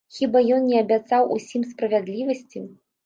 Хіба ён не абяцаў усім справядлівасці?